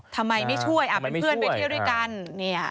ทำไมไม่ช่วยเป็นเพื่อนไปเที่ยวด้วยกัน